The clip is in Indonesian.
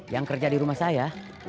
yang kerja di rumah saya